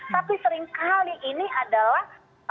tapi seringkali ini adalah